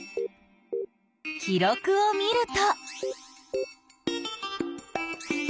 記録を見ると。